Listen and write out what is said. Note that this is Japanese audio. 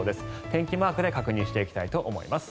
天気マークで確認していきたいと思います。